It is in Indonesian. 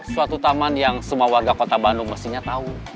suatu taman yang semua warga kota bandung mestinya tahu